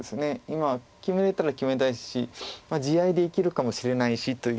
今決めれたら決めたいし地合いでいけるかもしれないしという。